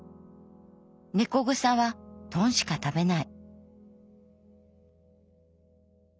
猫草はトンしか食べない」。